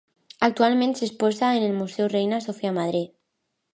Actualment s'exposa en el Museu Reina Sofia, Madrid.